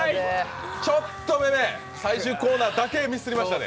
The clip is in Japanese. ちょっとめめ、最終コーナーだけミスりましたね。